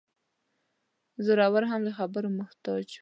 زورور هم د خبرو محتاج وي.